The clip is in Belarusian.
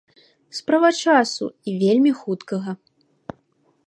Справа часу і вельмі хуткага.